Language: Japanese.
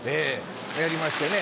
やりましてね。